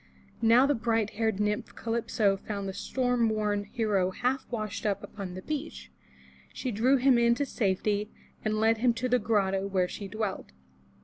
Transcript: Now the bright haired nymph Calypso found the storm worn hero half washed up upon the beach. She drew him in to safety and led him to the grotto where she dwelt.